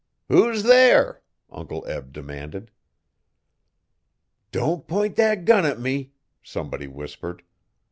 'Who's there?' Uncle Eb demanded. 'Don't p'int thet gun at me,' somebody whispered.